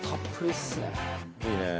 いいね。